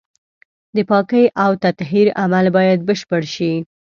د پاکۍ او تطهير عمل بايد بشپړ شي.